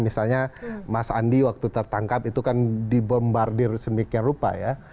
misalnya mas andi waktu tertangkap itu kan dibombardir semikian rupa ya